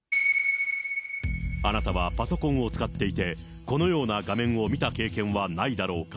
あなたはパソコンを使っていて、このような画面を見た経験はないだろうか。